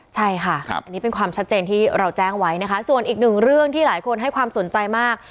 ใช่ค่ะอันนี้เป็นความชัดเจนที่เราแจ้งไว้นะคะส่วนอีกหนึ่งเรื่องที่หลายคนให้ความสนใจมาก